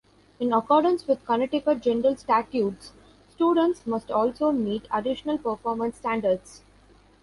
In accordance with Connecticut General Statutes, students must also meet additional performance standards.